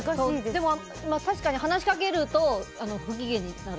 でも、確かに話しかけると不機嫌になる。